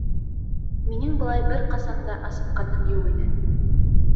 Минең былай бер ҡасан да асыҡҡаным юҡ ине